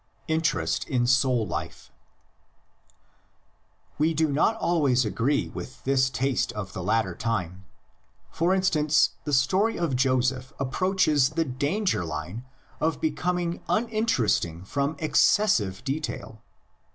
INTEREST IN SOUL LIFE. We do not always agree with this taste of the later time; for instance, the story of Joseph approaches the danger line of becoming uninteresting from excessive detail.